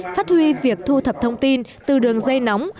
phát huy việc thu thập thông tin từ đường dây nóng